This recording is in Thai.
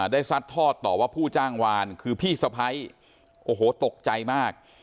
ซัดทอดต่อว่าผู้จ้างวานคือพี่สะพ้ายโอ้โหตกใจมาก